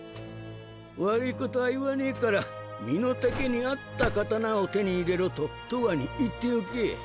悪いことは言わねぇから身の丈に合った刀を手に入れろととわに言っておけ。